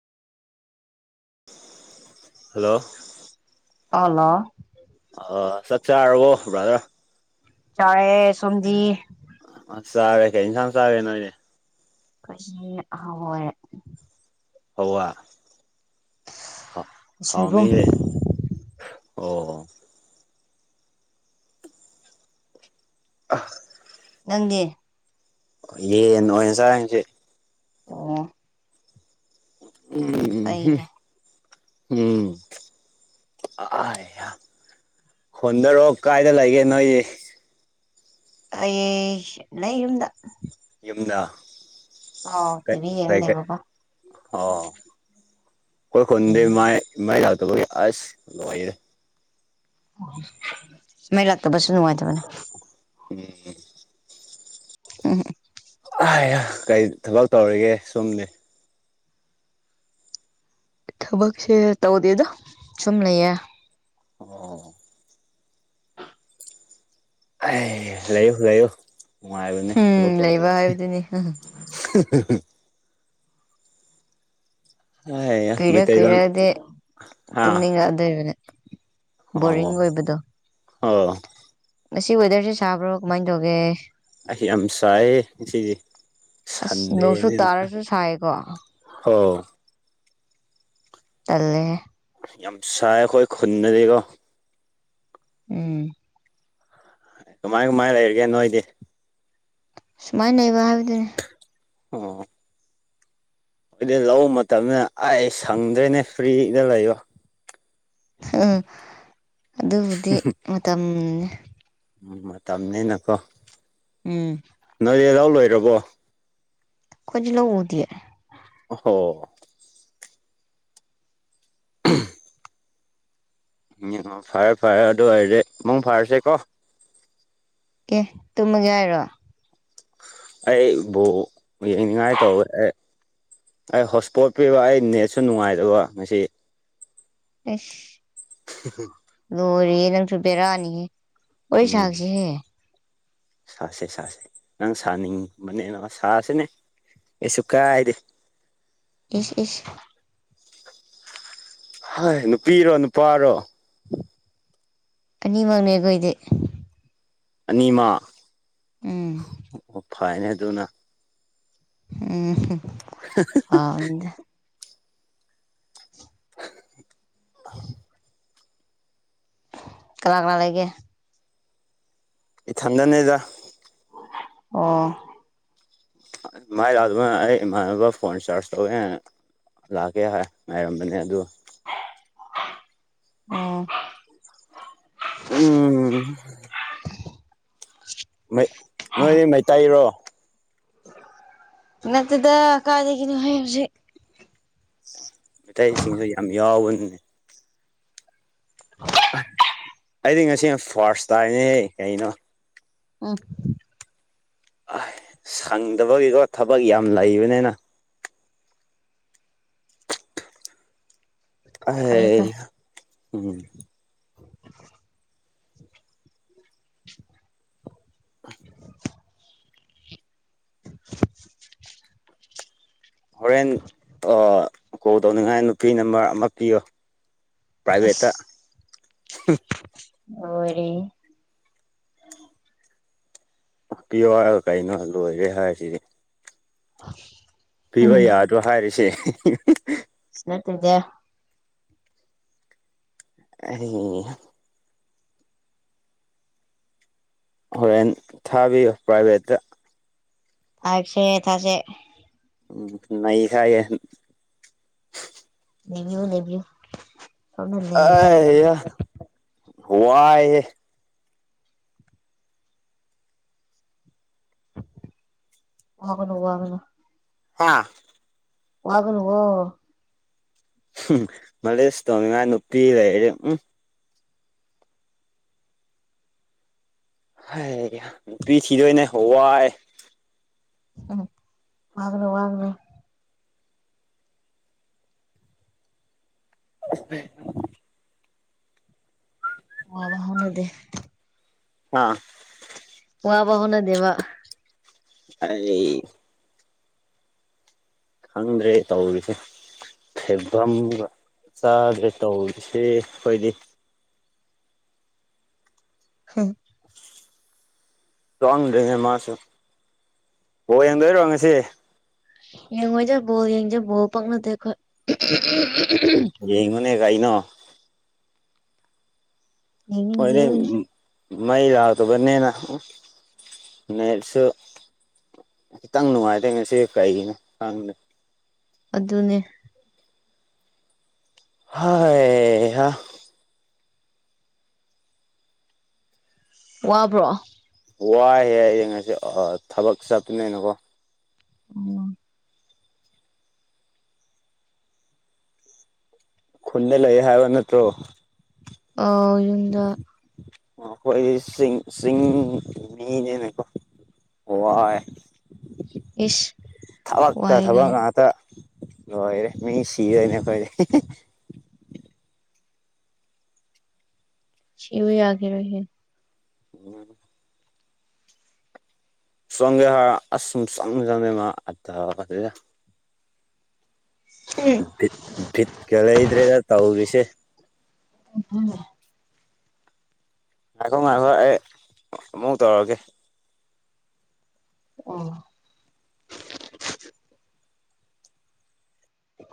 hello ꯑꯂꯣ ꯑ ꯆꯥꯛ ꯆꯥꯔꯕꯣ ꯕꯔꯗ꯭ꯔ ꯆꯥꯔꯦ ꯁꯣꯝꯗꯤ ꯑ ꯆꯥꯔꯦ ꯀꯩꯩ ꯑꯦꯟꯁꯥꯡ ꯆꯥꯔꯒꯦ ꯅꯣꯏꯗꯤ ꯀꯁꯤ ꯍꯥꯎꯋꯦ ꯍꯋꯥꯏ ꯁꯣꯏꯕꯨꯝ ꯍꯥꯎꯅꯤꯍꯦ ꯑꯣ ꯑ ꯅꯪꯗꯤ ꯌꯦꯟ ꯑꯣꯏꯅ ꯆꯥꯏ ꯉꯁꯤ ꯑꯣ ꯎꯝ ꯍꯨꯝ ꯐꯩꯅꯦ ꯎꯝ ꯑꯥꯏꯌꯥ ꯍꯣꯟꯗꯔꯑꯣ ꯀꯥꯏꯗ ꯂꯩꯒꯦ ꯅꯣꯏ ꯑꯩꯌꯦ ꯂꯩ ꯌꯨꯝꯗ ꯃꯤꯅ ꯑ ꯀ ꯀ ꯑꯣ ꯀꯣꯏ ꯈꯨꯣꯟꯗꯦ ꯃꯥ ꯇ ꯑꯁ ꯂꯔꯦ ꯃꯩ ꯂꯥꯛꯇꯕꯁꯨ ꯅꯨꯡꯉꯥꯏꯇꯕꯅꯦ ꯎꯝ ꯎꯝ ꯑ ꯀꯔꯤ ꯊꯕꯛ ꯇꯧꯔꯤꯒꯦ ꯁꯨꯝꯗꯤ ꯊꯕꯛꯁꯦ ꯇꯧꯗꯦꯗꯣ ꯁꯨꯝ ꯂꯩꯌꯦ ꯑꯣ ꯑꯦ ꯂꯩꯌꯣ ꯂꯩꯌꯣ ꯅꯨꯡꯉꯥꯏꯕꯅꯦ ꯊꯕꯛ ꯎꯝ ꯇꯧꯗ ꯂꯩꯕ ꯍꯥꯏꯕꯗꯨꯅꯤ ꯑꯩꯌꯥ ꯀ ꯃꯩꯇꯩꯂꯣꯟ ꯀꯗꯦ ꯍꯥ ꯇꯨꯃꯤꯅꯤꯗ ꯏꯕꯅꯦ ꯑꯣ ꯑꯣ ꯃꯁꯤ ꯋꯦꯗꯔꯁꯦ ꯁꯥꯕ꯭ꯔꯣ ꯀꯃꯥꯏꯅ ꯇꯧꯒꯦ ꯑꯩ ꯌꯥꯝ ꯆꯥꯏꯌꯦ ꯁꯤꯁꯤꯗꯤ ꯑꯁ ꯅꯣꯡꯁꯨ ꯁꯟꯗꯦꯅꯤꯅ ꯇꯥꯔꯁꯨ ꯁꯥꯏꯀꯣ ꯍ ꯑꯂꯦ ꯌꯥꯝ ꯁꯥꯏ ꯑꯩꯈꯣꯏ ꯈꯨꯟꯅꯗꯤꯒꯣ ꯎꯝ ꯀꯃꯥꯏ ꯀꯃꯥꯏ ꯂꯩ ꯂꯩꯔꯒꯦ ꯅꯣꯣꯏꯗꯦ ꯁꯨꯃꯥꯏꯅ ꯂꯩꯕ ꯍꯥꯏꯕꯗꯨꯅꯤ ꯑꯣ ꯑꯩꯣꯏꯗꯤ ꯂꯧꯕ ꯃꯇꯝꯗ ꯑꯩ ꯁꯪꯗ꯭ꯔꯦꯅꯦ ꯐ꯭ꯔꯤꯗ ꯂꯩꯌꯣ ꯎ ꯑꯗꯨꯕꯨꯗꯤ ꯃꯇꯝꯅꯦ ꯎꯝ ꯃꯇꯝꯅꯤꯅꯀꯣ ꯎꯝ ꯅꯣꯏꯂꯥꯎ ꯂꯣꯏꯔꯕꯣ ꯈꯣꯏꯖ ꯂ ꯎꯗꯤ [inaudible] ꯎꯝ ꯐꯔꯦ ꯐꯔꯦ ꯑꯗꯨ ꯑꯣꯏꯔꯗꯤꯦ ꯑꯃꯛ ꯐꯔꯁꯦꯀꯣ ꯑꯦ ꯇꯃꯒꯦ ꯍꯥꯏꯔꯣ ꯑꯩꯕꯨꯣ ꯌꯦꯡꯅꯤꯡꯉꯥꯏ ꯇꯧꯦ ꯑꯩ ꯍꯣꯠ ꯏꯁꯄꯣꯠ ꯄꯤꯕ ꯑꯩ ꯅꯦꯠꯁꯨ ꯅꯨꯡꯉꯥꯏꯖꯕ ꯉ ꯑꯁ [inaudible] ꯂꯣꯏꯔꯤꯦ ꯅꯪꯁꯨ ꯄꯕꯦꯔꯛꯑꯅꯤꯍꯦ ꯋꯥꯔꯤ ꯁꯥꯛꯁꯤꯍꯦ ꯁꯥꯥꯁꯦ ꯁꯥꯥꯁꯦ ꯅꯪ ꯁꯥꯅꯤꯡꯕꯅꯦ ꯁꯥꯁꯦꯅꯦ ꯑꯦꯁꯨꯨ ꯀ ꯍꯥꯏꯗꯤꯦ ꯏꯁ ꯏꯁ ꯍꯥꯏ ꯅꯨꯄꯤꯔꯣ ꯅꯨꯄꯥꯔꯣ ꯑꯅꯤꯃꯛꯅꯦꯒꯣꯏꯣꯏꯗꯤ ꯑꯅꯤꯃ ꯎꯝ ꯑꯣ ꯐꯩꯅꯦ ꯑꯗꯨꯅ ꯎꯝ ꯍꯥꯎꯗ [inaudible] ꯀꯅꯥ ꯀꯅꯥꯥ ꯂꯩꯒꯦ ꯏ ꯊꯟꯗꯅꯦꯗ ꯑꯣ ꯃꯥꯏ ꯂꯥꯛꯑꯗꯨꯅ ꯑꯩ ꯏꯃꯥꯟꯅꯕ ꯐꯣꯟ ꯔꯤꯆꯥꯔꯖ ꯇꯧꯋꯦ ꯂꯥꯛꯀꯦ ꯉꯥꯏꯔꯝꯕꯅꯦ ꯑꯗꯨ ꯑꯣꯝ ꯎꯝ ꯩ ꯅꯣꯏ ꯃꯩꯇꯩꯔꯣ ꯅꯠꯇꯗ ꯀꯥꯗꯒꯤꯅ ꯍꯧꯁꯦ ꯃꯩꯇꯩꯁꯤꯡꯁꯨ ꯌꯥꯝ ꯌꯥꯎꯕꯅꯦ ꯑꯩꯗꯤ ꯉꯁꯤ ꯐꯥꯔꯁ ꯇꯥꯏꯅꯦꯍꯦ ꯀꯩꯅꯣ ꯑꯣ ꯑ ꯁꯪꯗꯕꯒꯤꯀꯣ ꯊꯕꯛ ꯌꯥꯝ ꯂꯩꯕꯅꯤꯅ ꯍ ꯐꯩ ꯐꯩ ꯎꯝ [inaudible] ꯍꯣꯔꯦꯟ ꯀꯣꯜ ꯇꯧꯅꯤꯡꯉꯥꯏ ꯅꯨꯄꯤ ꯅꯝꯕꯔ ꯑꯃ ꯄꯤꯌꯣ ꯏꯁ ꯄ꯭ꯔꯥꯏꯚꯦꯠꯇ ꯑꯣꯔꯤ ꯄꯤ ꯀꯩꯅꯣ ꯂꯣꯏꯔꯦ ꯍꯥꯏꯁꯤꯗꯤ [inaudible] ꯄꯤꯕ ꯌꯥꯗꯣ ꯍꯥꯏꯔꯤꯁꯦ ꯁꯅꯇꯔꯒꯦ [inaudible] ꯍꯣꯔꯦꯟ ꯊꯥꯕꯤꯌꯣꯨ ꯄ꯭ꯔꯥꯏꯚꯦꯠꯇ ꯊꯁꯦ ꯊꯁꯦ ꯎꯝ ꯅ ꯍꯥꯏ ꯅꯕꯤꯌ ꯂꯩꯕꯤꯌ ꯋꯥꯏ ꯋꯥꯒꯅ ꯋꯥꯒꯅ ꯍꯥꯥ ꯋꯥꯒꯅ ꯍꯣ ꯃꯂꯁꯨ ꯇꯣꯃꯤ ꯃꯥ ꯅꯨꯄꯤꯤ ꯍꯥꯏꯔꯦ ꯎꯝ ꯍꯥꯏꯦ ꯅꯨꯄꯤ ꯊꯤꯗꯣꯏꯅꯦ ꯍꯋꯥꯏ ꯎꯝ ꯋꯥꯅ ꯋꯥꯅꯦ ꯑꯁꯦ ꯋꯥ ꯋꯥꯅꯗ ꯑꯥ ꯋꯥꯕ ꯍꯅꯗꯦ ꯋꯥ ꯑꯩ ꯈꯪꯗ꯭ꯔꯦ ꯇꯧꯔꯤꯁꯦ ꯐꯩꯐꯝ ꯆꯥꯗ꯭ꯔꯦ ꯇꯧꯔꯤꯁꯦ ꯑꯩꯈꯣꯏꯗꯤ ꯍ ꯆꯗ꯭ꯔꯤꯅꯦ ꯃꯥꯁꯨ ꯍ ꯌꯦꯡꯗꯣꯏꯔꯣ ꯉꯁꯤ ꯌꯦꯡꯉꯣꯏꯖꯕꯣ ꯌꯦꯡꯖꯕꯣ ꯄꯛꯅꯗꯦ ꯑꯩꯈꯣꯏ ꯌꯦꯡꯉꯅꯦ ꯀꯥꯏꯅꯣ ꯌꯦꯉꯒ ꯃꯩ ꯂꯥꯛꯛꯇꯕꯅꯤꯦꯅ ꯅꯠꯁꯨ ꯈꯤꯇꯪ ꯅꯨꯡꯉꯥꯏꯇꯦ ꯉꯁꯤ ꯀꯩꯒꯤꯅꯣ ꯈꯪꯅꯦ ꯑꯗꯨꯅꯦ ꯍꯥꯏ ꯍꯥ ꯋꯥꯕ꯭ꯔꯣ ꯋꯥꯏꯍꯦ ꯍꯌꯦꯡ ꯉꯁꯤ ꯊꯕꯛ ꯆꯠꯠꯇꯅꯦꯩꯅꯀꯣ ꯑꯣ ꯈꯨꯟꯗ ꯂꯩꯌꯦ ꯍꯥꯏꯕ ꯅꯠꯇ꯭ꯔꯣ ꯑ ꯏꯗ ꯑꯩꯈꯣꯏ ꯁꯤꯡ ꯃꯤꯅꯦꯅꯦꯀꯣ ꯋꯥꯏ ꯏꯁ ꯊꯕꯛꯀ ꯋꯥꯏ ꯊꯕꯛ ꯀꯥꯏꯅ ꯉꯥꯛꯇ ꯂꯣꯏꯔꯦ ꯃꯤ ꯁꯤꯔꯦꯅꯦ ꯀꯣꯏ [unintelligible] [unintelligible] [unintelligible] ꯁꯤꯕ ꯌꯥꯒꯤꯔꫭꯏꯍꯦ ꯎꯝ ꯁꯒꯦ ꯍꯥ ꯑꯨꯝ ꯁ ꯆꯪ ꯃꯥ ꯀꯂꯗ꯭ꯔꯦꯗ ꯇꯧꯕ ꯁꯦ ꯍꯝ ꯉꯥꯛꯈꯣ ꯉꯥꯏꯈꯣ ꯑꯩ ꯑꯃꯨꯛ ꯇꯧꯔꯒꯦ [unintelligible] [unintelligible]